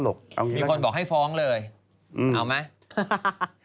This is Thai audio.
คนบอกให้ฟ้องเลยเอาไหมให้มันติดคุกไปเลยเอาไหม